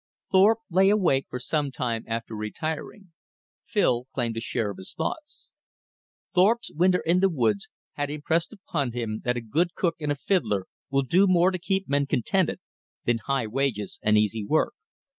Thorpe lay awake for some time after retiring. Phil claimed a share of his thoughts. Thorpe's winter in the woods had impressed upon him that a good cook and a fiddler will do more to keep men contented than high wages and easy work.